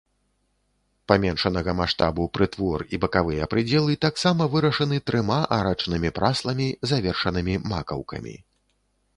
Паменшанага маштабу прытвор і бакавыя прыдзелы таксама вырашаны трыма арачнымі прасламі, завершанымі макаўкамі.